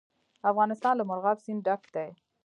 افغانستان له مورغاب سیند ډک دی.